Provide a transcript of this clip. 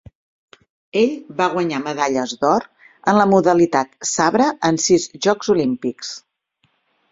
Ell va guanyar medalles d'or en la modalitat sabre en sis Jocs Olímpics.